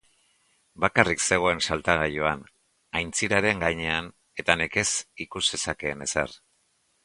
Bakarrik zegoen saltagailuan, aintziraren gainean, eta nekez ikus zezakeen ezer.